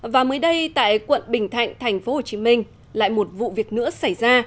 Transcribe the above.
và mới đây tại quận bình thạnh tp hcm lại một vụ việc nữa xảy ra